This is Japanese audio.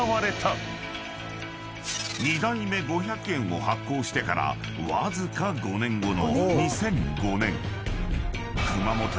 ［２代目５００円を発行してからわずか５年後の］